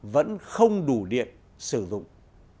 vẫn không đủ điện sử dụng